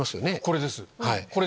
これです。